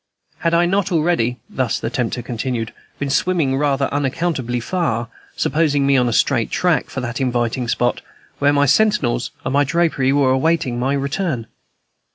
Had I not already (thus the tempter continued) been swimming rather unaccountably far, supposing me on a straight track for that inviting spot where my sentinels and my drapery were awaiting my return?